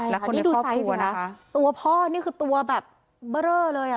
แล้วคนในครอบครัวนะคะตัวพ่อนี่คือตัวแบบเบอร์เรอเลย